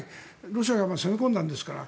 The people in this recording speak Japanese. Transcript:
ロシアが攻め込んだんですから。